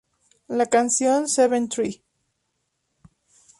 La canción "Seven〜tri.